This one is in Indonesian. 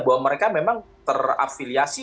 bahwa mereka memang terafiliasi